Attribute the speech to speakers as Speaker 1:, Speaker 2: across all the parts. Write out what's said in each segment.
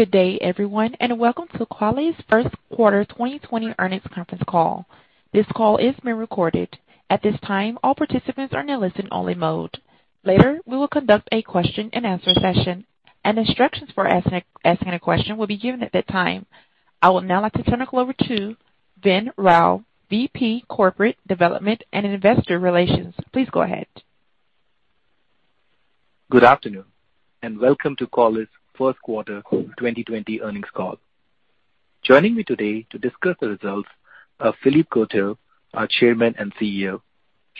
Speaker 1: Good day everyone. Welcome to Qualys' Q1 2020 earnings conference call. This call is being recorded. At this time, all participants are in a listen-only mode. Later, we will conduct a question-and-answer session, and instructions for asking a question will be given at that time. I would now like to turn the call over to Vin Rao, VP Corporate Development and Investor Relations. Please go ahead.
Speaker 2: Good afternoon and welcome to Qualys' Q1 2020 earnings call. Joining me today to discuss the results are Philippe Courtot, our Chairman and CEO,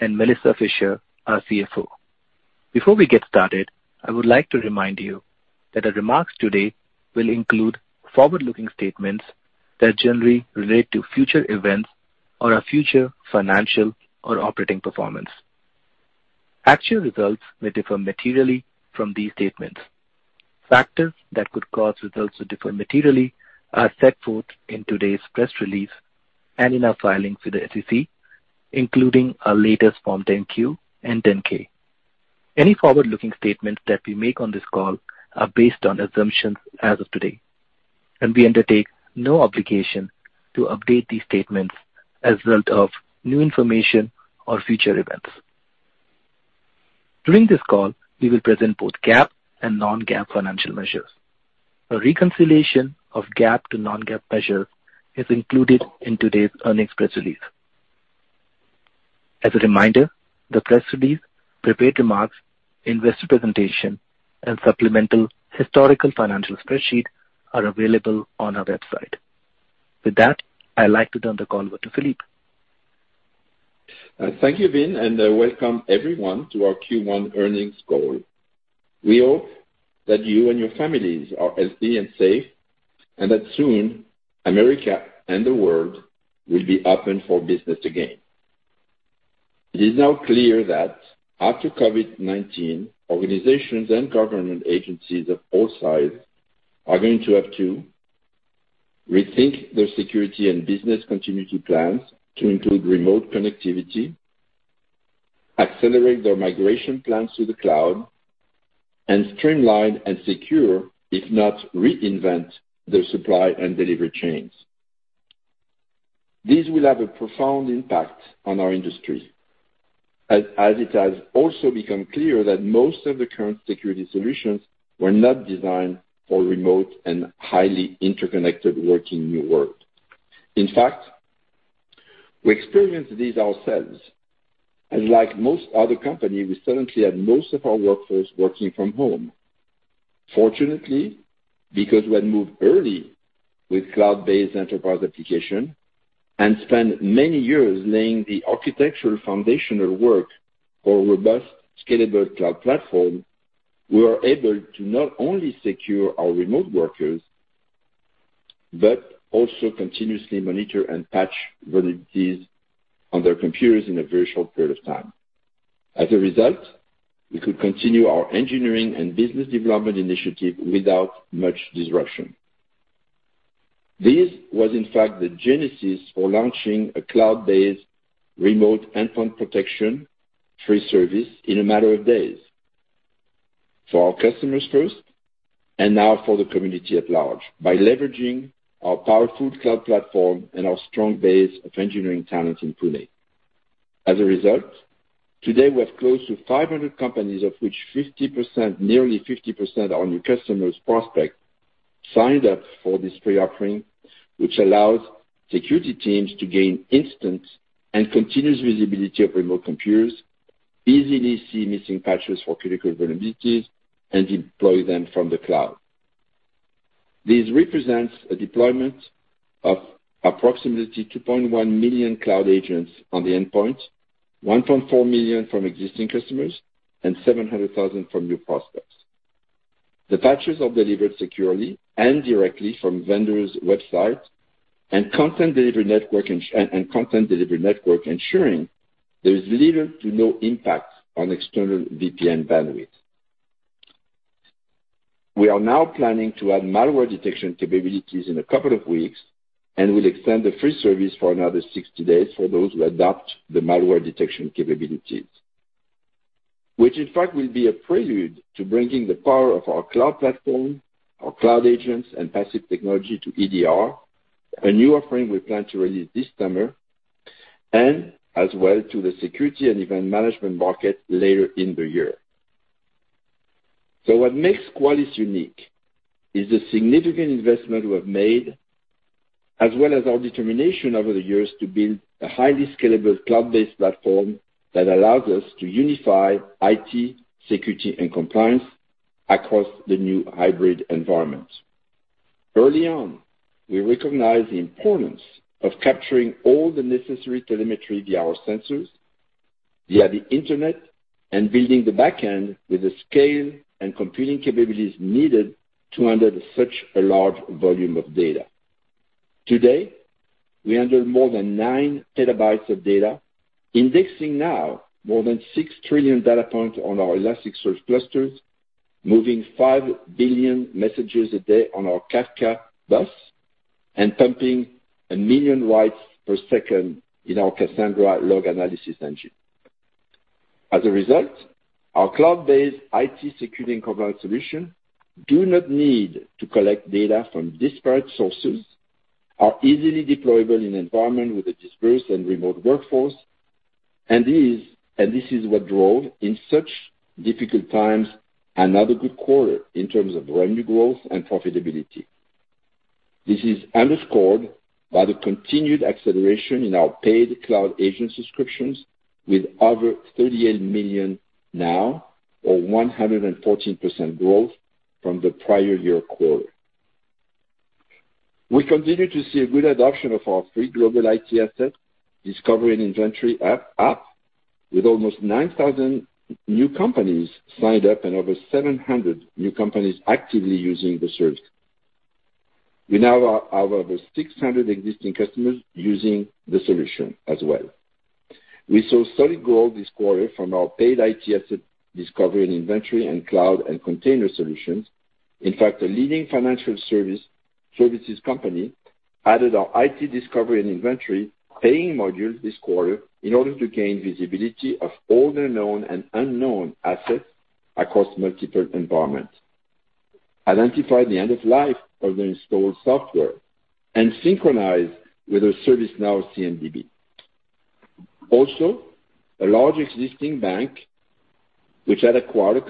Speaker 2: and Melissa Fisher, our CFO. Before we get started, I would like to remind you that the remarks today will include forward-looking statements that generally relate to future events or our future financial or operating performance. Actual results may differ materially from these statements. Factors that could cause results to differ materially are set forth in today's press release and in our filings with the SEC, including our latest Form 10-Q and 10-K. Any forward-looking statements that we make on this call are based on assumptions as of today, and we undertake no obligation to update these statements as a result of new information or future events. During this call, we will present both GAAP and non-GAAP financial measures. A reconciliation of GAAP to non-GAAP measures is included in today's earnings press release. As a reminder, the press release, prepared remarks, investor presentation, and supplemental historical financial spreadsheet are available on our website. With that, I'd like to turn the call over to Philippe.
Speaker 3: Thank you, Vin. Welcome everyone to our Q1 earnings call. We hope that you and your families are healthy and safe, and that soon America and the world will be open for business again. It is now clear that after COVID-19, organizations and government agencies of all sizes are going to have to rethink their security and business continuity plans to include remote connectivity, accelerate their migration plans to the cloud, and streamline and secure, if not reinvent, their supply and delivery chains. This will have a profound impact on our industry, as it has also become clear that most of the current security solutions were not designed for remote and highly interconnected working new world. In fact, we experienced this ourselves, and like most other companies, we suddenly had most of our workforce working from home. Fortunately, because we had moved early with cloud-based enterprise application and spent many years laying the architectural foundational work for a robust, scalable cloud platform, we were able to not only secure our remote workers, but also continuously monitor and patch vulnerabilities on their computers in a very short period of time. As a result, we could continue our engineering and business development initiative without much disruption. This was in fact the genesis for launching a cloud-based remote endpoint protection free service in a matter of days for our customers first, and now for the community at large, by leveraging our powerful cloud platform and our strong base of engineering talent in Pune. As a result, today we have close to 500 companies, of which 50%, nearly 50% are new customers prospect signed up for this free offering, which allows security teams to gain instant and continuous visibility of remote computers, easily see missing patches for critical vulnerabilities, and deploy them from the cloud. This represents a deployment of approximately 2.1 million Cloud Agents on the endpoint, 1.4 million from existing customers, and 700,000 from new prospects. The patches are delivered securely and directly from vendors' websites and content delivery network ensuring there is little to no impact on external VPN bandwidth. We are now planning to add malware detection capabilities in a couple of weeks and will extend the free service for another 60 days for those who adopt the malware detection capabilities. In fact will be a prelude to bringing the power of our cloud platform, our Cloud Agents, and passive technology to EDR, a new offering we plan to release this summer, and as well to the security and event management market later in the year. What makes Qualys unique is the significant investment we have made, as well as our determination over the years to build a highly scalable, cloud-based platform that allows us to unify IT, security, and compliance across the new hybrid environment. Early on, we recognized the importance of capturing all the necessary telemetry via our sensors, via the Internet, and building the back end with the scale and computing capabilities needed to handle such a large volume of data. Today, we handle more than 9 TB of data, indexing now more than 6 trillion data points on our Elasticsearch clusters, moving 5 billion messages a day on our Kafka bus, and pumping 1 million writes per second in our Cassandra log analysis engine. As a result, our cloud-based IT security and compliance solutions do not need to collect data from disparate sources, are easily deployable in an environment with a dispersed and remote workforce, this is what drove, in such difficult times, another good quarter in terms of revenue growth and profitability. This is underscored by the continued acceleration in our paid Cloud Agent subscriptions with over 38 million now or 114% growth from the prior year quarter. We continue to see a good adoption of our free Global IT Asset Discovery and Inventory app, with almost 9,000 new companies signed up and over 700 new companies actively using the service. We now have over 600 existing customers using the solution as well. We saw steady growth this quarter from our paid IT Asset Discovery and Inventory and cloud and container solutions. In fact, a leading financial services company added our IT Asset Discovery and Inventory paying module this quarter in order to gain visibility of all their known and unknown assets across multiple environments, identify the end of life of their installed software, and synchronize with their ServiceNow CMDB. A large existing bank, which had acquired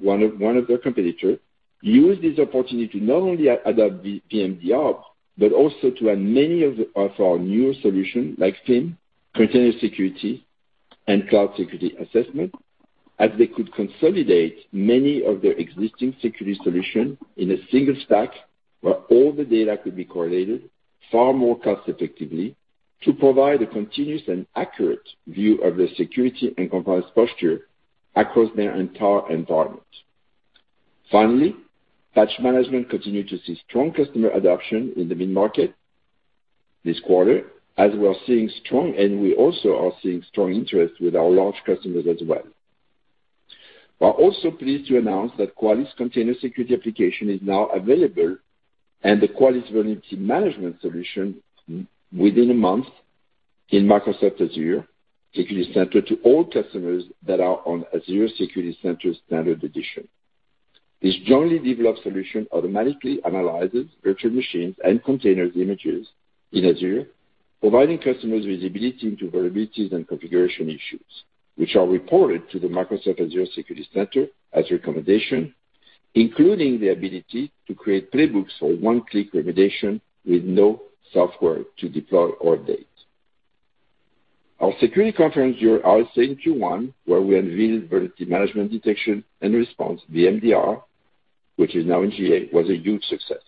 Speaker 3: one of their competitors, used this opportunity to not only adopt VMDR, but also to add many of our newer solutions like SIEM, Container Security, and cloud security assessment, as they could consolidate many of their existing security solutions in a single stack where all the data could be correlated far more cost-effectively to provide a continuous and accurate view of their security and compliance posture across their entire environment. Patch Management continued to see strong customer adoption in the mid-market this quarter, and we also are seeing strong interest with our large customers as well. We're also pleased to announce that Qualys Container Security application is now available and the Qualys Vulnerability Management solution within a month in Microsoft Azure Security Center to all customers that are on Azure Security Center Standard Edition. This jointly developed solution automatically analyzes virtual machines and container images in Azure, providing customers visibility into vulnerabilities and configuration issues, which are reported to the Microsoft Azure Security Center as recommendations, including the ability to create playbooks for one-click remediation with no software to deploy or date. Our security conference, RSA Q1, where we unveiled Vulnerability Management Detection and Response, VMDR, which is now in GA, was a huge success.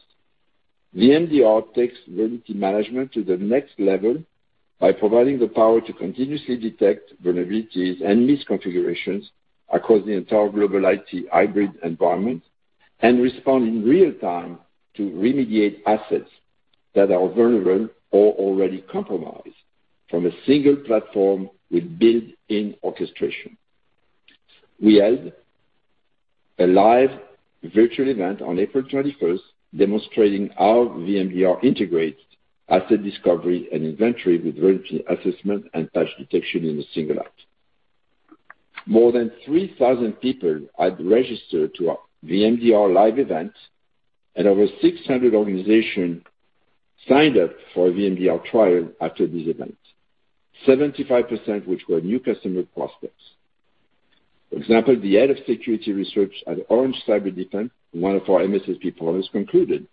Speaker 3: VMDR takes vulnerability management to the next level by providing the power to continuously detect vulnerabilities and misconfigurations across the entire global IT hybrid environment and respond in real time to remediate assets that are vulnerable or already compromised from a single platform with built-in orchestration. We held a live virtual event on April 21st demonstrating how VMDR integrates asset discovery and inventory with vulnerability assessment and patch detection in a single app. More than 3,000 people had registered to our VMDR live event, and over 600 organizations signed up for a VMDR trial after this event, 75% which were new customer prospects. For example, the head of security research at Orange Cyberdefense, one of our MSSP partners, concluded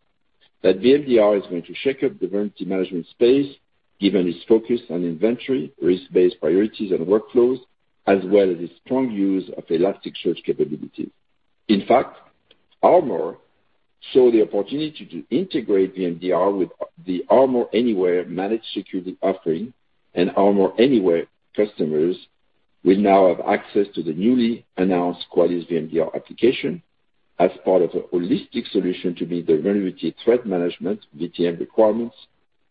Speaker 3: that VMDR is going to shake up the vulnerability management space given its focus on inventory, risk-based priorities, and workflows, as well as its strong use of Elasticsearch capabilities. In fact, Armor saw the opportunity to integrate VMDR with the Armor Anywhere managed security offering, and Armor Anywhere customers will now have access to the newly announced Qualys VMDR application as part of a holistic solution to meet their vulnerability threat management, VTM requirements,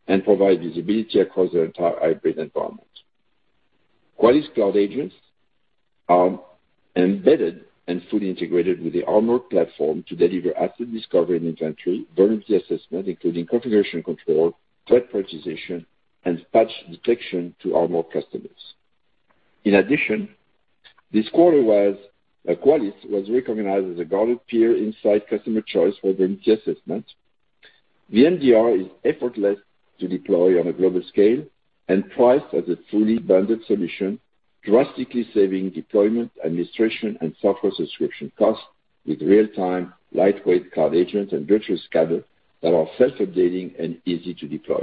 Speaker 3: and provide visibility across their entire hybrid environment. Qualys Cloud Agents are embedded and fully integrated with the Armor platform to deliver asset discovery and inventory, vulnerability assessment, including configuration control, threat prioritization, and patch detection to Armor customers. In addition, this quarter, Qualys was recognized as a Gartner Peer Insights Customers' Choice for Vulnerability Assessment. VMDR is effortless to deploy on a global scale and priced as a fully bundled solution, drastically saving deployment, administration, and software subscription costs with real-time, lightweight cloud agents and virtual scanners that are self-updating and easy to deploy.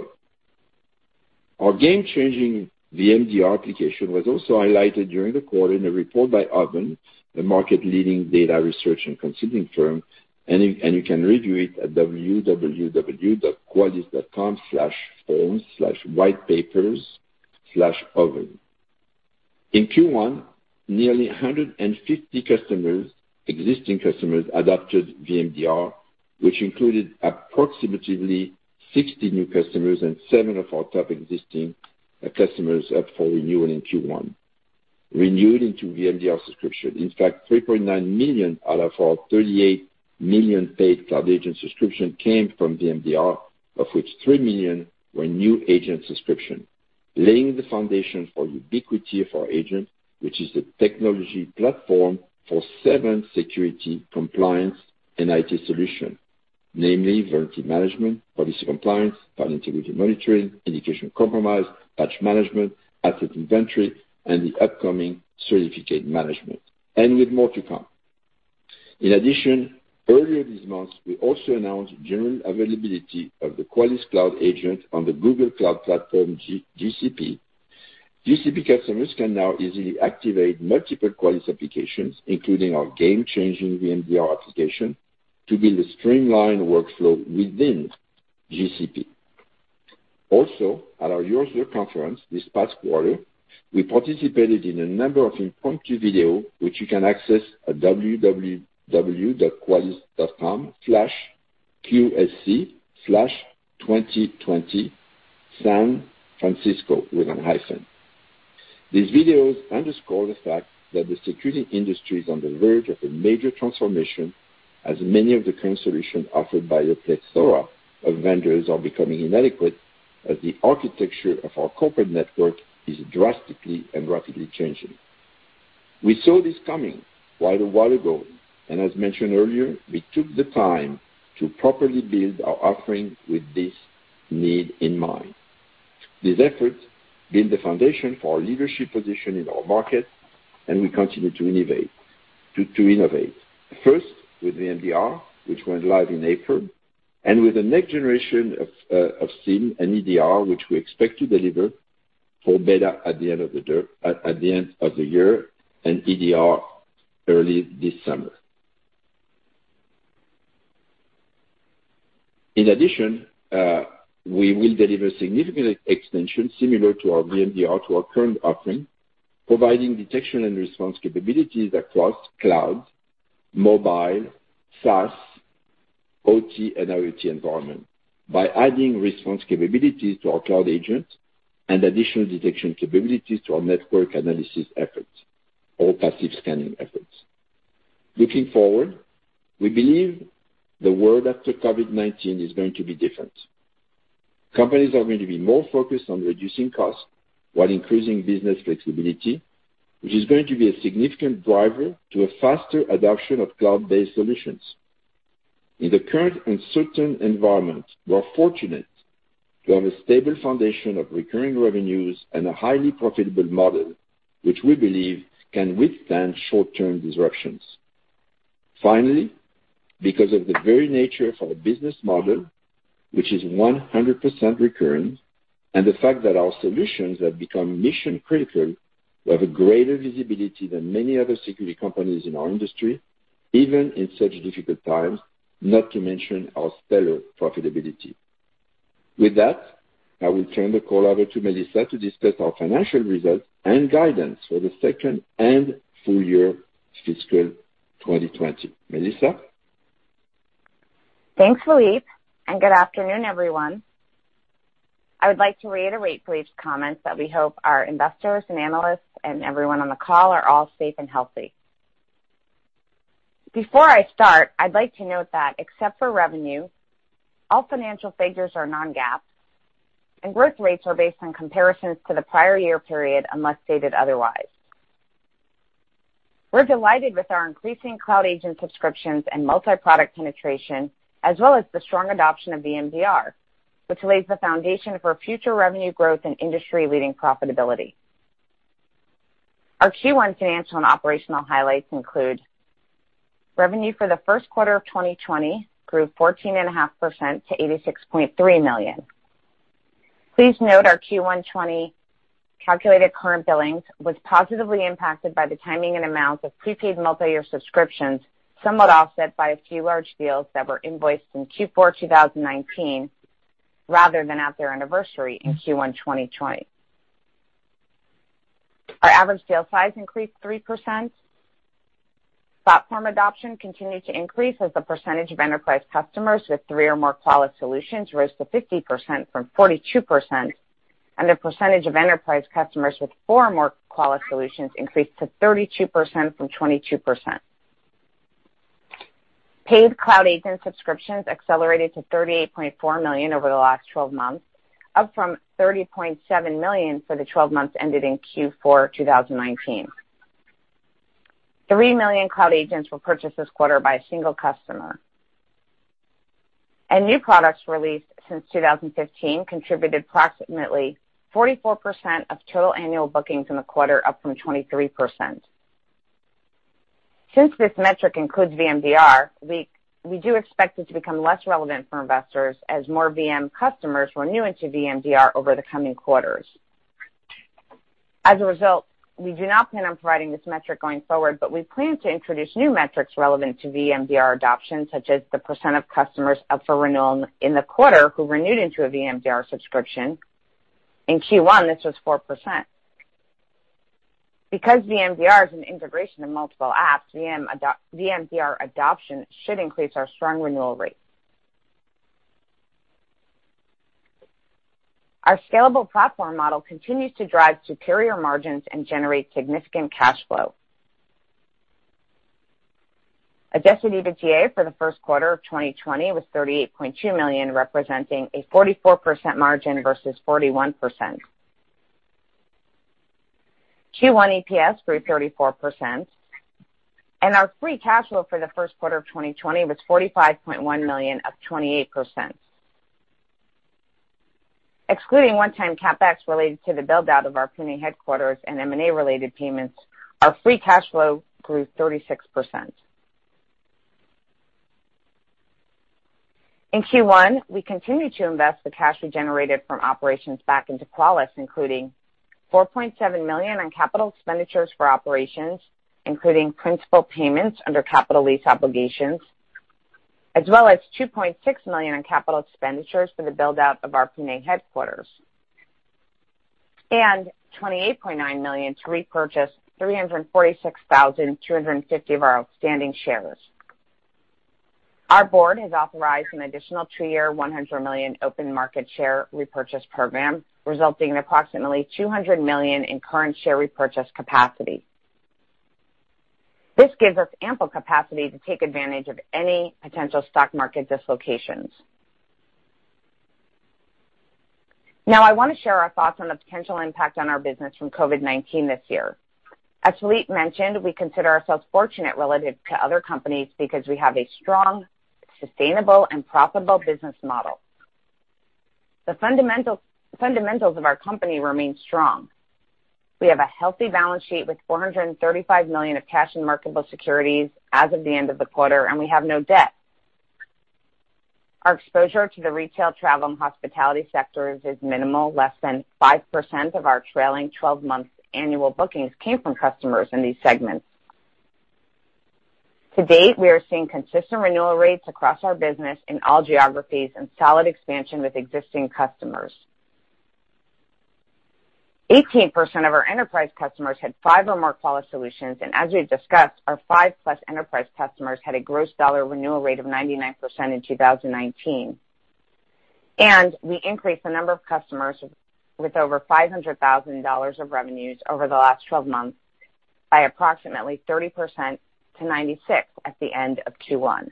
Speaker 3: Our game-changing VMDR application was also highlighted during the quarter in a report by Ovum, the market-leading data research and consulting firm, and you can review it at www.qualys.com/forms/whitepapers/ovum. In Q1, nearly 150 existing customers adopted VMDR, which included approximately 60 new customers and seven of our top existing customers up for renewal in Q1, renewed into VMDR subscription. In fact, $3.9 million out of our $38 million paid Cloud Agent subscription came from VMDR, of which $3 million were new agent subscription, laying the foundation for ubiquity of our agent, which is the technology platform for seven security compliance and IT solution, namely Vulnerability Management, Policy Compliance, File Integrity Monitoring, Indication of Compromise, Patch Management, IT Asset Inventory, and the upcoming Certificate Inventory, and with more to come. Earlier this month, we also announced general availability of the Qualys Cloud Agent on the Google Cloud Platform, GCP. GCP customers can now easily activate multiple Qualys applications, including our game-changing VMDR application, to build a streamlined workflow within GCP. At our user conference this past quarter, we participated in a number of impromptu video, which you can access at www.qualys.com/qsc/2020-san-francisco, with a hyphen. These videos underscore the fact that the security industry is on the verge of a major transformation, as many of the current solutions offered by a plethora of vendors are becoming inadequate as the architecture of our corporate network is drastically and rapidly changing. We saw this coming quite a while ago. As mentioned earlier, we took the time to properly build our offering with this need in mind. This effort built the foundation for our leadership position in our market. We continue to innovate. First, with VMDR, which went live in April, and with the next generation of SIEM and EDR, which we expect to deliver for beta at the end of the year, and EDR early this summer. In addition, we will deliver significant extension similar to our VMDR to our current offering, providing detection and response capabilities across cloud, mobile, SaaS, OT, and IoT environment by adding response capabilities to our Cloud Agent and additional detection capabilities to our network analysis efforts or passive scanning efforts. Looking forward, we believe the world after COVID-19 is going to be different. Companies are going to be more focused on reducing costs while increasing business flexibility, which is going to be a significant driver to a faster adoption of cloud-based solutions. In the current uncertain environment, we are fortunate to have a stable foundation of recurring revenues and a highly profitable model, which we believe can withstand short-term disruptions. Finally, because of the very nature of our business model, which is 100% recurring, and the fact that our solutions have become mission-critical, we have a greater visibility than many other security companies in our industry, even in such difficult times, not to mention our stellar profitability. With that, I will turn the call over to Melissa to discuss our financial results and guidance for the second and full year fiscal 2020. Melissa?
Speaker 4: Thanks, Philippe, and good afternoon, everyone. I would like to reiterate Philippe's comments that we hope our investors and analysts and everyone on the call are all safe and healthy. Before I start, I'd like to note that except for revenue, all financial figures are non-GAAP, and growth rates are based on comparisons to the prior year period, unless stated otherwise. We're delighted with our increasing Qualys Cloud Agent subscriptions and multi-product penetration, as well as the strong adoption of VMDR, which lays the foundation for future revenue growth and industry-leading profitability. Our Q1 financial and operational highlights include: revenue for the Q1 of 2020 grew 14.5% to $86.3 million. Please note our Q1 2020 calculated current billings was positively impacted by the timing and amount of prepaid multi-year subscriptions, somewhat offset by a few large deals that were invoiced in Q4 2019 rather than at their anniversary in Q1 2020. Our average sale size increased 3%. Platform adoption continued to increase as the percentage of enterprise customers with three or more Qualys solutions rose to 50% from 42%, and the percentage of enterprise customers with four or more Qualys solutions increased to 32% from 22%. Paid Cloud Agent subscriptions accelerated to 38.4 million over the last 12 months, up from 30.7 million for the 12 months ended in Q4 2019. 3 million Cloud Agents were purchased this quarter by a single customer. New products released since 2015 contributed approximately 44% of total annual bookings in the quarter, up from 23%. Since this metric includes VMDR, we do expect it to become less relevant for investors as more VM customers renew into VMDR over the coming quarters. As a result, we do not plan on providing this metric going forward, but we plan to introduce new metrics relevant to VMDR adoption, such as the % of customers up for renewal in the quarter who renewed into a VMDR subscription. In Q1, this was 4%. Because VMDR is an integration of multiple apps, VMDR adoption should increase our strong renewal rates. Our scalable platform model continues to drive superior margins and generate significant cash flow. Adjusted EBITDA for the Q1 of 2020 was $38.2 million, representing a 44% margin versus 41%. Q1 EPS grew 34%, and our free cash flow for the Q1 of 2020 was $45.1 million, up 28%. Excluding one-time CapEx related to the build-out of our Pune headquarters and M&A related payments, our free cash flow grew 36%. In Q1, we continued to invest the cash we generated from operations back into Qualys, including $4.7 million on capital expenditures for operations, including principal payments under capital lease obligations, as well as $2.6 million in capital expenditures for the build-out of our Pune headquarters, and $28.9 million to repurchase 346,250 of our outstanding shares. Our board has authorized an additional three-year, $100 million open market share repurchase program, resulting in approximately $200 million in current share repurchase capacity. This gives us ample capacity to take advantage of any potential stock market dislocations. I want to share our thoughts on the potential impact on our business from COVID-19 this year. As Philippe mentioned, we consider ourselves fortunate relative to other companies because we have a strong, sustainable, and profitable business model. The fundamentals of our company remain strong. We have a healthy balance sheet with $435 million of cash and marketable securities as of the end of the quarter, and we have no debt. Our exposure to the retail travel and hospitality sectors is minimal. Less than 5% of our trailing 12 months annual bookings came from customers in these segments. To-date, we are seeing consistent renewal rates across our business in all geographies and solid expansion with existing customers. 18% of our enterprise customers had five or more Qualys solutions, and as we discussed, our five-plus enterprise customers had a gross dollar renewal rate of 99% in 2019. We increased the number of customers with over $500,000 of revenues over the last 12 months by approximately 30% to 96 at the end of Q1.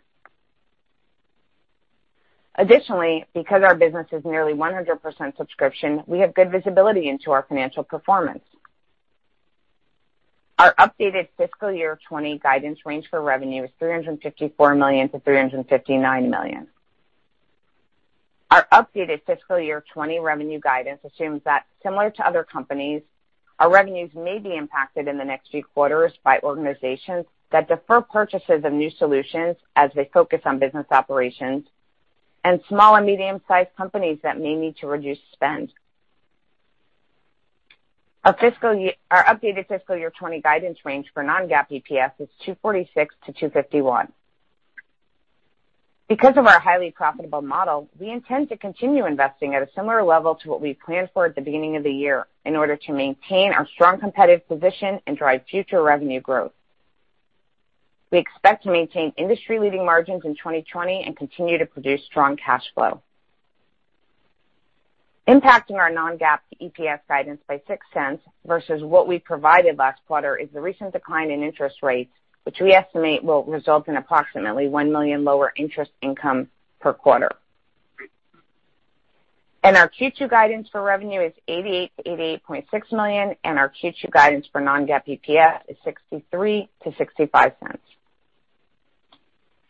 Speaker 4: Additionally, because our business is nearly 100% subscription, we have good visibility into our financial performance. Our updated fiscal year 2020 guidance range for revenue is $354 million-$359 million. Our updated fiscal year 2020 revenue guidance assumes that similar to other companies, our revenues may be impacted in the next few quarters by organizations that defer purchases of new solutions as they focus on business operations and small and medium-sized companies that may need to reduce spend. Our updated fiscal year 2020 guidance range for non-GAAP EPS is $2.46-$2.51. Because of our highly profitable model, we intend to continue investing at a similar level to what we planned for at the beginning of the year in order to maintain our strong competitive position and drive future revenue growth. We expect to maintain industry-leading margins in 2020 and continue to produce strong cash flow. Impacting our non-GAAP EPS guidance by $0.06 versus what we provided last quarter is the recent decline in interest rates, which we estimate will result in approximately $1 million lower interest income per quarter. Our Q2 guidance for revenue is $88 million-$88.6 million, and our Q2 guidance for non-GAAP EPS is $0.63-$0.65.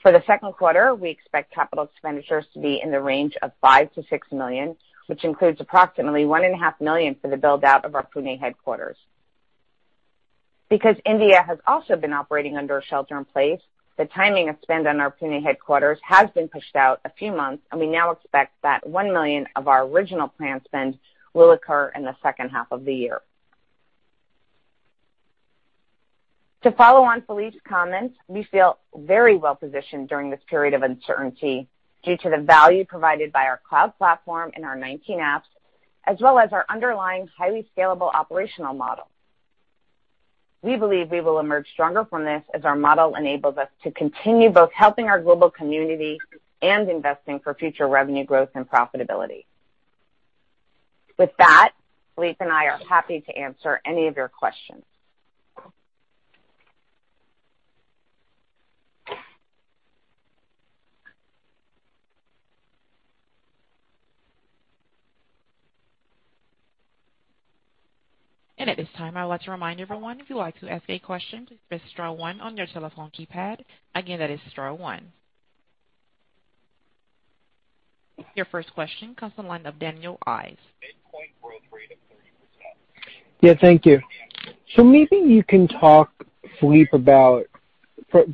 Speaker 4: For the Q2, we expect capital expenditures to be in the range of $5 million-$6 million, which includes approximately $1.5 million for the build-out of our Pune headquarters. India has also been operating under a shelter in place, the timing of spend on our Pune headquarters has been pushed out a few months, and we now expect that $1 million of our original planned spend will occur in the H2 of the year. To follow on Philippe's comments, we feel very well-positioned during this period of uncertainty due to the value provided by our cloud platform and our 19 apps, as well as our underlying, highly scalable operational model. We believe we will emerge stronger from this as our model enables us to continue both helping our global community and investing for future revenue growth and profitability. With that, Philippe and I are happy to answer any of your questions.
Speaker 1: At this time, I would like to remind everyone, if you'd like to ask a question, please press star one on your telephone keypad. Again, that is star one. Your first question comes from the line of Daniel Ives.
Speaker 5: Yeah, thank you. Maybe you can talk, Philippe, about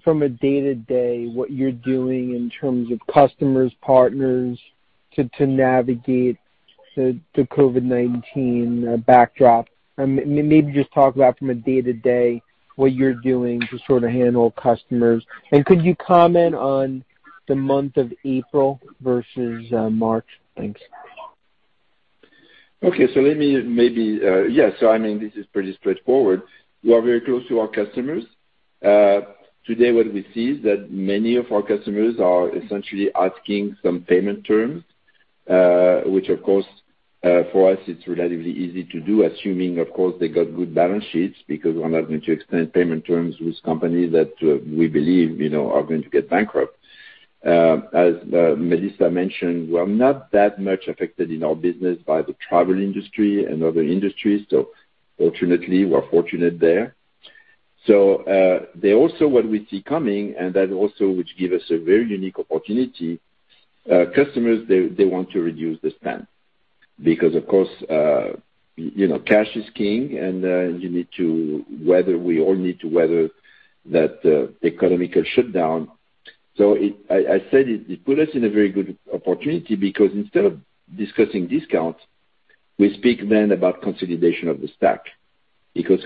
Speaker 5: from a day-to-day, what you're doing in terms of customers, partners to navigate the COVID-19 backdrop. Maybe just talk about from a day-to-day, what you're doing to sort of handle customers. Could you comment on the month of April versus March? Thanks.
Speaker 3: Okay. I mean, this is pretty straightforward. We are very close to our customers. Today, what we see is that many of our customers are essentially asking some payment terms, which of course, for us, it's relatively easy to do, assuming, of course, they got good balance sheets, because we're not going to extend payment terms with companies that we believe are going to get bankrupt. As Melissa mentioned, we're not that much affected in our business by the travel industry and other industries, alternately, we're fortunate there. Also what we see coming, and that also which give us a very unique opportunity, customers, they want to reduce the spend. Because of course, cash is king, and we all need to weather that economical shutdown. I said it put us in a very good opportunity because instead of discussing discounts, we speak then about consolidation of the stack.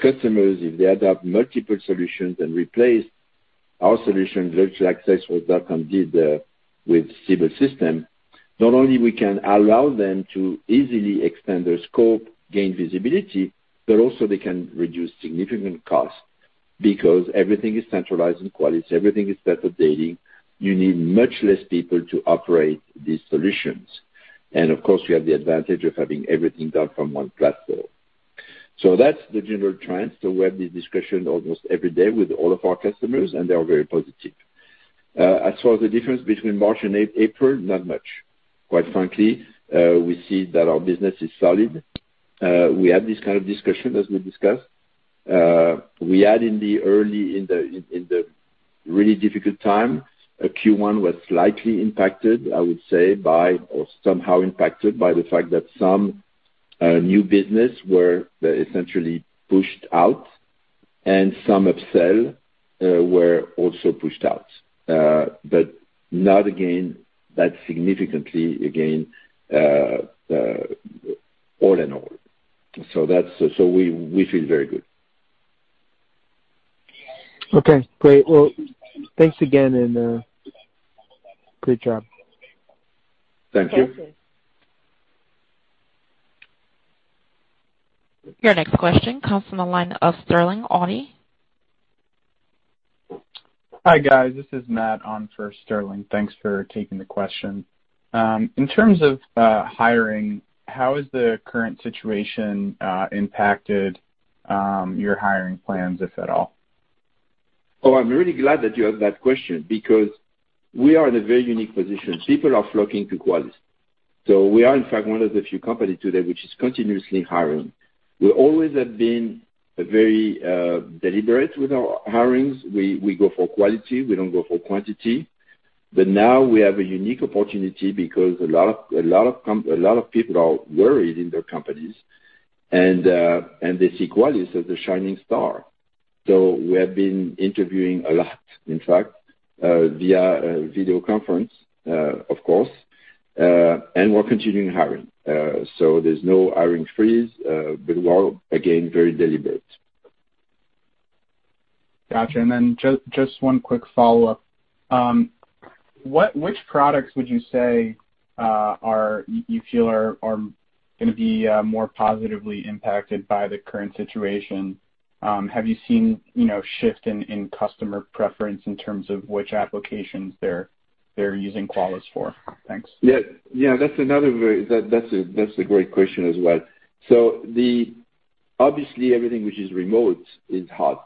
Speaker 3: Customers, if they adopt multiple solutions and replace our solution, virtual access, what Dotcom did there with civil system, not only we can allow them to easily extend their scope, gain visibility, but also they can reduce significant cost because everything is centralized in Qualys, everything is better data. You need much less people to operate these solutions. Of course, we have the advantage of having everything done from one platform. That's the general trend. We have this discussion almost every day with all of our customers, and they are very positive. As for the difference between March and April, not much. Quite frankly, we see that our business is solid. We have this kind of discussion, as we discussed. We had in the early, in the really difficult time, Q1 was slightly impacted, I would say, or somehow impacted by the fact that some new business were essentially pushed out, and some upsell were also pushed out. Not again, that significantly, again, all in all. We feel very good.
Speaker 5: Okay, great. Well, thanks again, and good job.
Speaker 3: Thank you.
Speaker 2: Thank you.
Speaker 1: Your next question comes from the line of Sterling Auty.
Speaker 6: Hi, guys. This is Matt on for Sterling. Thanks for taking the question. In terms of hiring, how has the current situation impacted your hiring plans, if at all?
Speaker 3: Oh, I'm really glad that you asked that question because we are in a very unique position. People are flocking to Qualys. We are, in fact, one of the few companies today which is continuously hiring. We always have been very deliberate with our hirings. We go for quality. We don't go for quantity. Now we have a unique opportunity because a lot of people are worried in their companies, and they see Qualys as a shining star. We have been interviewing a lot, in fact, via video conference, of course, and we're continuing hiring. There's no hiring freeze, we are, again, very deliberate.
Speaker 6: Got you. Just one quick follow-up. Which products would you say you feel are going to be more positively impacted by the current situation? Have you seen shift in customer preference in terms of which applications they're using Qualys for? Thanks.
Speaker 3: Yeah. That's a great question as well. Obviously, everything which is remote is hot.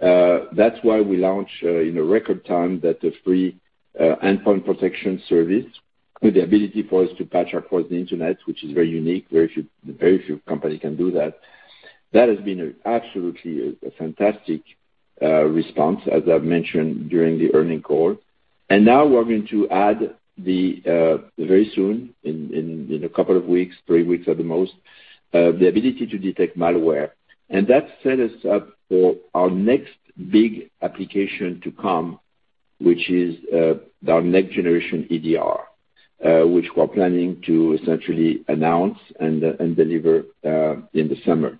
Speaker 3: That's why we launch in a record time that a free endpoint protection service with the ability for us to patch across the internet, which is very unique, very few company can do that. That has been absolutely a fantastic response, as I've mentioned during the earning call. Now we're going to add the, very soon, in a couple of weeks, three weeks at the most, the ability to detect malware. That set us up for our next big application to come, which is our next generation EDR, which we're planning to essentially announce and deliver in the summer.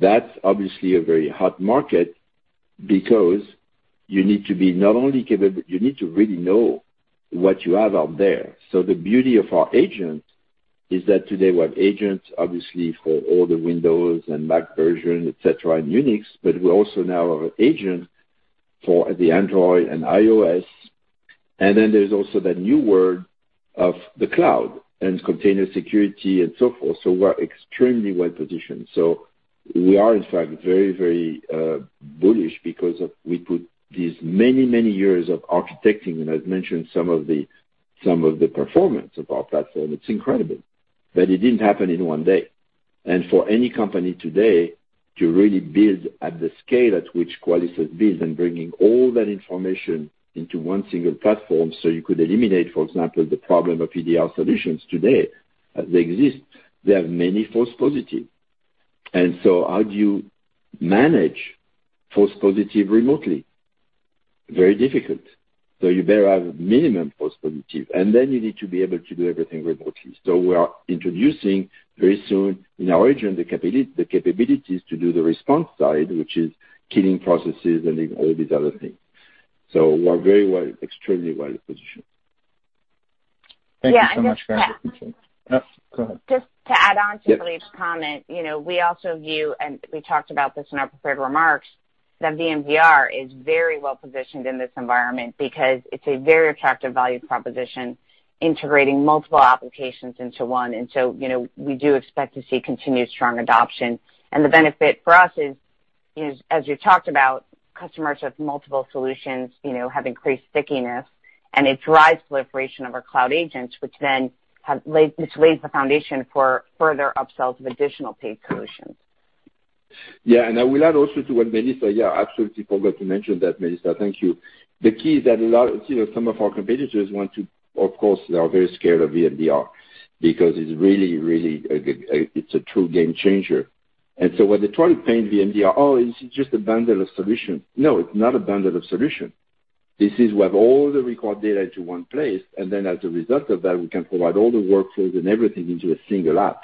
Speaker 3: That's obviously a very hot market because you need to really know what you have out there. The beauty of our agent is that today we have agents, obviously, for all the Windows and Mac version, et cetera, and Unix, but we also now have an agent for the Android and iOS. Then there's also that new world of the cloud and container security and so forth. We're extremely well-positioned. We are, in fact, very bullish because we put these many years of architecting, and I've mentioned some of the performance of our platform. It's incredible. It didn't happen in one day. For any company today to really build at the scale at which Qualys has built and bringing all that information into one single platform so you could eliminate, for example, the problem of EDR solutions today as they exist, they have many false positive. How do you manage false positive remotely? Very difficult. You better have minimum false positive. You need to be able to do everything remotely. We are introducing very soon in our agent, the capabilities to do the response side, which is killing processes and all these other things. We're extremely well-positioned.
Speaker 6: Thank you so much, Philippe. Appreciate it. Go ahead.
Speaker 4: Just to add on to Philippe's comment, we also view, and we talked about this in our prepared remarks, that VMDR is very well-positioned in this environment because it's a very attractive value proposition, integrating multiple applications into one. We do expect to see continued strong adoption. The benefit for us is, as you talked about, customers with multiple solutions have increased stickiness, and it drives proliferation of our Cloud Agents, which then lays the foundation for further upsells of additional paid solutions.
Speaker 3: Yeah. I will add also to what Melissa. Yeah, absolutely forgot to mention that, Melissa. Thank you. The key is that a lot of some of our competitors want to, of course, they are very scared of VMDR because it's a true game changer. When they try to paint VMDR, "Oh, it's just a bundle of solution." No, it's not a bundle of solution. This is we have all the record data into one place, and then as a result of that, we can provide all the workflows and everything into a single app.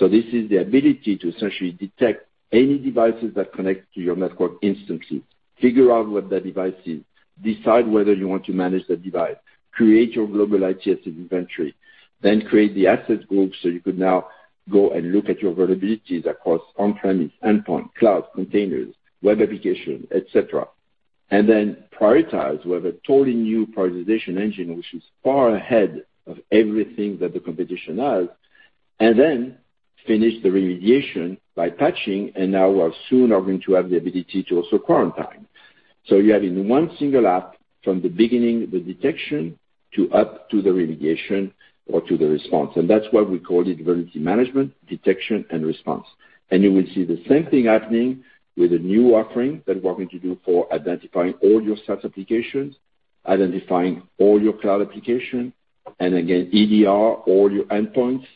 Speaker 3: This is the ability to essentially detect any devices that connect to your network instantly, figure out what that device is, decide whether you want to manage that device, create your global IT asset inventory, then create the asset group so you could now go and look at your vulnerabilities across on-premise endpoint, cloud containers, web application, et cetera. Then prioritize with a totally new prioritization engine, which is far ahead of everything that the competition has, then finish the remediation by patching and now we're soon going to have the ability to also quarantine. You have in one single app from the beginning, the detection to up to the remediation or to the response. That's why we called it Vulnerability Management Detection and Response. You will see the same thing happening with a new offering that we're going to do for identifying all your SaaS applications, identifying all your cloud application, and again, EDR, all your endpoints,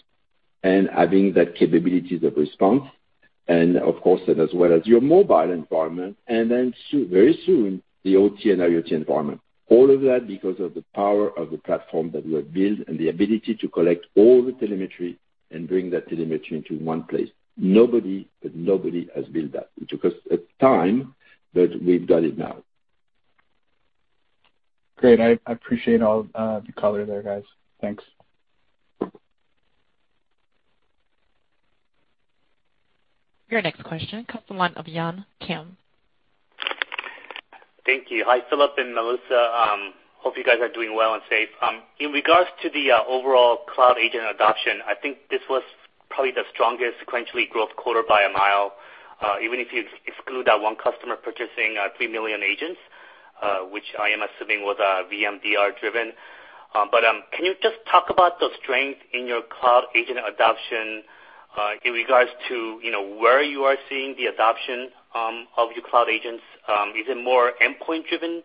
Speaker 3: and having that capabilities of response. Of course, then as well as your mobile environment, and then very soon, the OT and IoT environment. All of that because of the power of the platform that we have built and the ability to collect all the telemetry and bring that telemetry into one place. Nobody has built that. It took us time, but we've done it now.
Speaker 6: Great. I appreciate all the color there, guys. Thanks.
Speaker 1: Your next question comes from the line of Yun Kim.
Speaker 7: Thank you. Hi, Philippe and Melissa. Hope you guys are doing well and safe. In regards to the overall Cloud Agent adoption, I think this was probably the strongest sequentially growth quarter by a mile, even if you exclude that one customer purchasing 3 million agents, which I am assuming was VMDR-driven. Can you just talk about the strength in your Cloud Agent adoption in regards to where you are seeing the adoption of your Cloud Agents? Is it more endpoint-driven,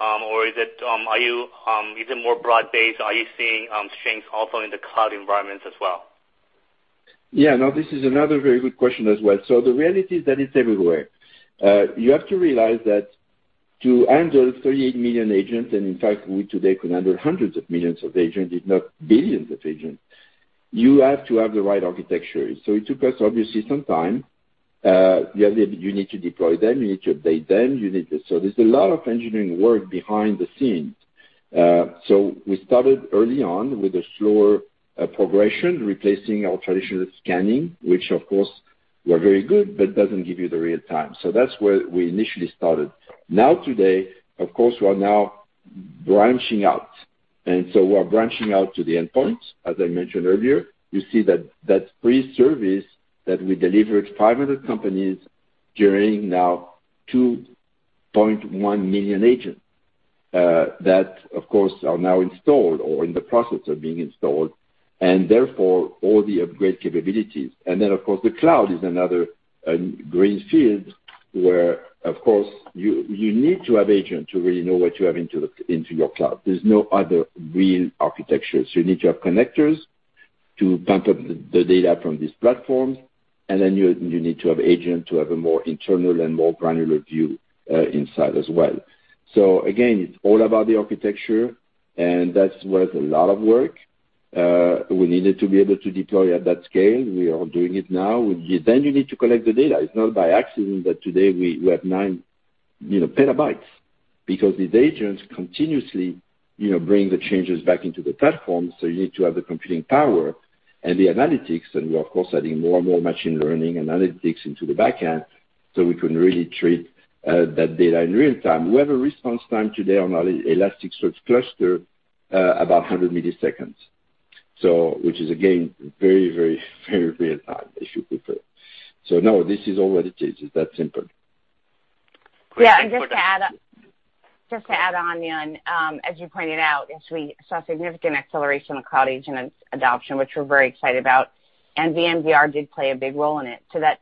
Speaker 7: or is it more broad-based? Are you seeing strengths also in the cloud environments as well?
Speaker 3: Yeah. No, this is another very good question as well. The reality is that it's everywhere. You have to realize that to handle 38 million agents, and in fact, we today can handle hundreds of millions of agents, if not billions of agents. You have to have the right architecture. It took us, obviously, some time. You need to deploy them, you need to update them. There's a lot of engineering work behind the scenes. We started early on with a slower progression, replacing our traditional scanning, which of course, were very good, but doesn't give you the real-time. That's where we initially started. Now today, of course, we are now branching out, we are branching out to the endpoint. As I mentioned earlier, you see that that free service that we delivered 500 companies carrying now 2.1 million agents, that of course, are now installed or in the process of being installed, and therefore all the upgrade capabilities. Then, of course, the cloud is another green field where, of course, you need to have agent to really know what you have into your cloud. There's no other real architecture. You need to have connectors to pump up the data from these platforms, and then you need to have agent to have a more internal and more granular view inside as well. Again, it's all about the architecture, and that's worth a lot of work. We needed to be able to deploy at that scale. We are doing it now. Then you need to collect the data. It's not by accident that today we have nine petabytes because these agents continuously bring the changes back into the platform. You need to have the computing power and the analytics, and we, of course, are adding more and more machine learning analytics into the back end so we can really treat that data in real-time. We have a response time today on our Elasticsearch cluster about 100 milliseconds. Which is, again, very, very, very real-time, if you prefer. No, this is all what it is. It's that simple.
Speaker 4: Yeah. Just to add on, Yun, as you pointed out, yes, we saw significant acceleration of Cloud Agent adoption, which we're very excited about, and VMDR did play a big role in it. That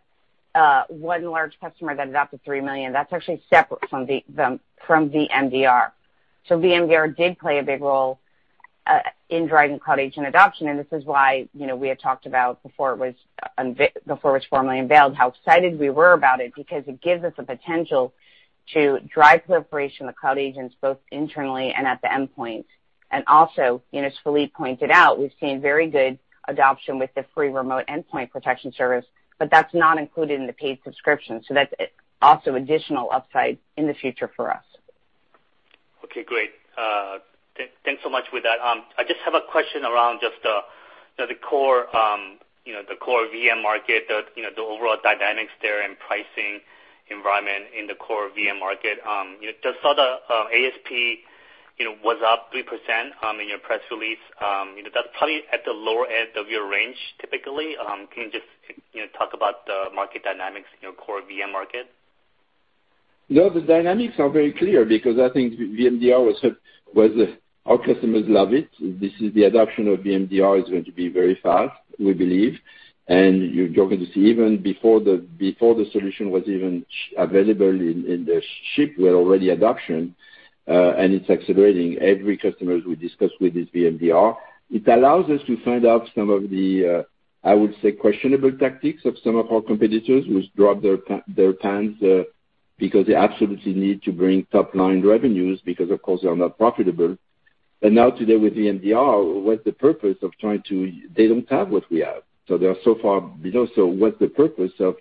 Speaker 4: one large customer that adopted 3 million, that's actually separate from VMDR. VMDR did play a big role in driving Cloud Agent adoption, and this is why we had talked about before it was formally unveiled, how excited we were about it because it gives us a potential to drive proliferation of Cloud Agents, both internally and at the endpoint. Also, as Philippe pointed out, we've seen very good adoption with the free remote endpoint protection service, but that's not included in the paid subscription, so that's also additional upside in the future for us.
Speaker 7: Okay, great. Thanks so much with that. I just have a question around just the core VM market, the overall dynamics there and pricing environment in the core VM market. Just saw the ASP was up 3% in your press release. That's probably at the lower end of your range, typically. Can you just talk about the market dynamics in your core VM market?
Speaker 3: No, the dynamics are very clear because I think VMDR, our customers love it. This is the adoption of VMDR is going to be very fast, we believe. You're going to see even before the solution was even available, in the ship, we're already adoption, and it's accelerating. Every customer we discuss with is VMDR. It allows us to find out some of the, I would say, questionable tactics of some of our competitors who's dropped their plans because they absolutely need to bring top-line revenues because, of course, they are not profitable. Now today with VMDR, what's the purpose of They don't have what we have. They are so far below, so what's the purpose of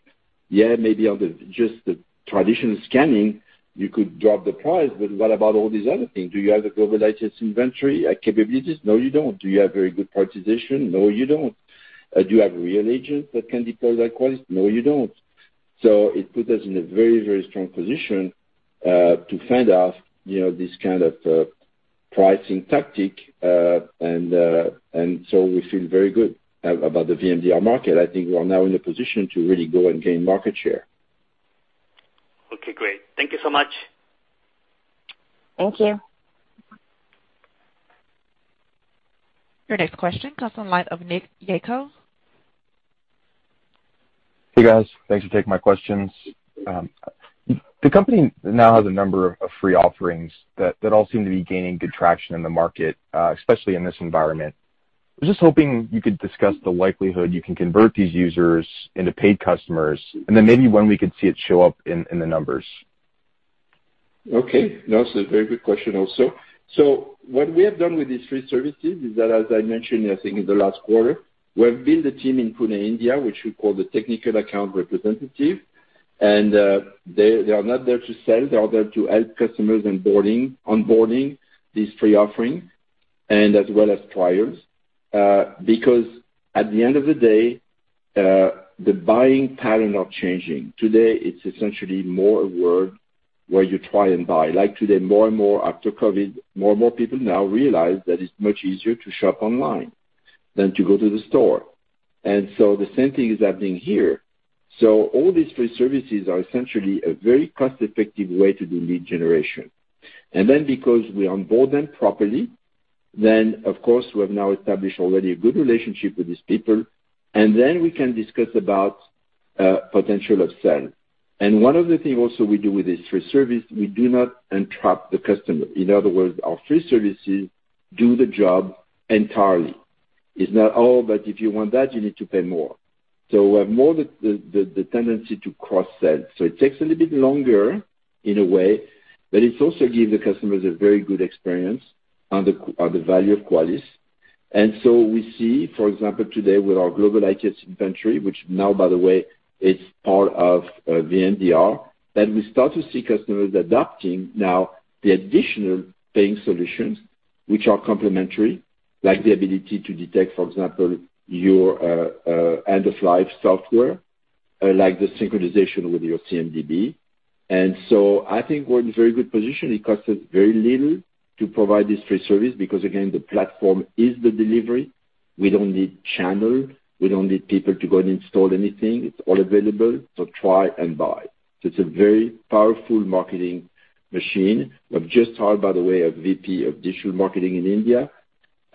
Speaker 3: Yeah, maybe on just the traditional scanning, you could drop the price, but what about all these other things? Do you have the Global IT asset inventory capabilities? No, you don't. Do you have very good prioritization? No, you don't. Do you have real agents that can deploy that Qualys? No, you don't. It put us in a very, very strong position to fend off this kind of pricing tactic. We feel very good about the VMDR market. I think we are now in a position to really go and gain market share.
Speaker 7: Okay, great. Thank you so much.
Speaker 4: Thank you.
Speaker 1: Your next question comes on line of Nick Yako.
Speaker 8: Hey, guys. Thanks for taking my questions. The company now has a number of free offerings that all seem to be gaining good traction in the market, especially in this environment. I was just hoping you could discuss the likelihood you can convert these users into paid customers, and then maybe when we could see it show up in the numbers.
Speaker 3: Okay. No, it's a very good question also. What we have done with these free services is that, as I mentioned, I think in the last quarter, we have built a team in Pune, India, which we call the technical account representative. They are not there to sell. They are there to help customers in onboarding these free offerings and as well as trials. At the end of the day, the buying pattern are changing. Today, it's essentially more a world where you try and buy. Today, more and more after COVID, more and more people now realize that it's much easier to shop online than to go to the store. The same thing is happening here. All these free services are essentially a very cost-effective way to do lead generation. Because we onboard them properly, then, of course, we have now established already a good relationship with these people, and then we can discuss about potential of sale. One of the things also we do with this free service, we do not entrap the customer. In other words, our free services do the job entirely. It's not all, but if you want that, you need to pay more. We have more the tendency to cross-sell. It takes a little bit longer in a way, but it also gives the customers a very good experience on the value of Qualys. We see, for example, today with our global ICS inventory, which now, by the way, it's part of VMDR, that we start to see customers adopting now the additional paying solutions which are complementary, like the ability to detect, for example, your end-of-life software, like the synchronization with your CMDB. I think we're in a very good position. It costs us very little to provide this free service because, again, the platform is the delivery. We don't need channel. We don't need people to go and install anything. It's all available. Try and buy. It's a very powerful marketing machine. We've just hired, by the way, a VP of digital marketing in India.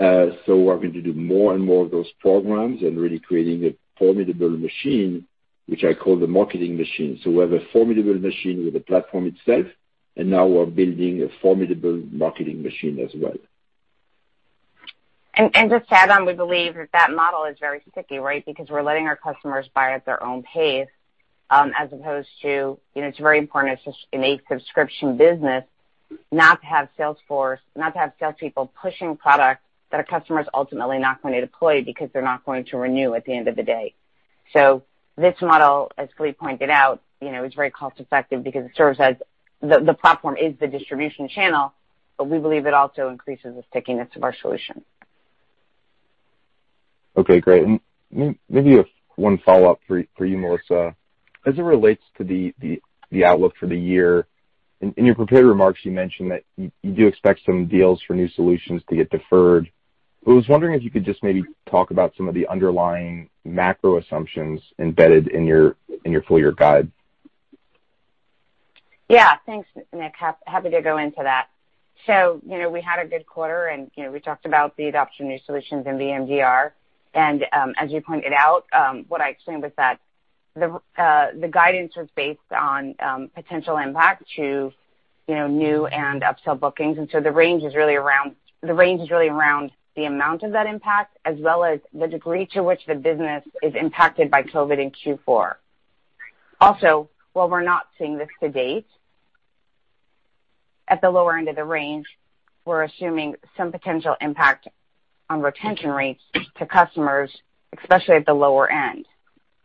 Speaker 3: We're going to do more and more of those programs and really creating a formidable machine, which I call the marketing machine. We have a formidable machine with the platform itself, and now we're building a formidable marketing machine as well.
Speaker 4: Just to add on, we believe that model is very sticky. Because we're letting our customers buy at their own pace as opposed to, it's very important in a subscription business not to have sales force, not to have sales people pushing product that a customer is ultimately not going to deploy because they're not going to renew at the end of the day. This model, as Philippe pointed out, is very cost-effective because the platform is the distribution channel, but we believe it also increases the stickiness of our solution.
Speaker 8: Okay, great. Maybe one follow-up for you, Melissa. As it relates to the outlook for the year, in your prepared remarks, you mentioned that you do expect some deals for new solutions to get deferred. I was wondering if you could just maybe talk about some of the underlying macro assumptions embedded in your full-year guide.
Speaker 4: Thanks, Nick. Happy to go into that. We had a good quarter, and we talked about the adoption of new solutions in VMDR. As you pointed out, what I explained was that the guidance was based on potential impact to new and upsell bookings, and so the range is really around the amount of that impact as well as the degree to which the business is impacted by COVID-19 in Q4. Also, while we're not seeing this to date, at the lower end of the range, we're assuming some potential impact on retention rates to customers, especially at the lower end.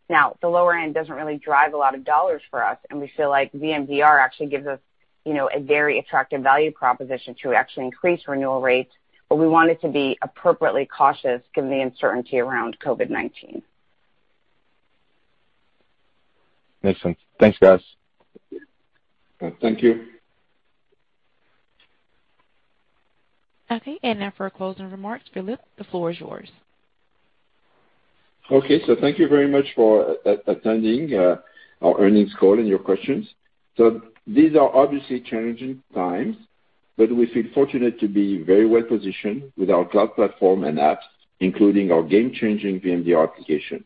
Speaker 4: Now, the lower end doesn't really drive a lot of dollars for us, and we feel like VMDR actually gives us a very attractive value proposition to actually increase renewal rates, but we wanted to be appropriately cautious given the uncertainty around COVID-19.
Speaker 8: Makes sense. Thanks, guys.
Speaker 3: Thank you.
Speaker 1: Okay. Now for our closing remarks, Philippe, the floor is yours.
Speaker 3: Okay, thank you very much for attending our earnings call and your questions. These are obviously challenging times, but we feel fortunate to be very well-positioned with our cloud platform and apps, including our game-changing VMDR application.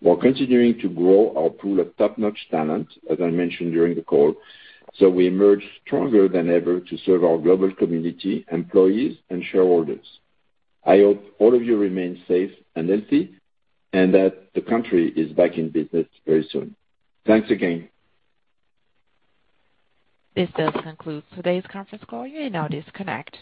Speaker 3: We're continuing to grow our pool of top-notch talent, as I mentioned during the call, so we emerge stronger than ever to serve our global community, employees, and shareholders. I hope all of you remain safe and healthy and that the country is back in business very soon. Thanks again.
Speaker 1: This does conclude today's conference call. You may now disconnect.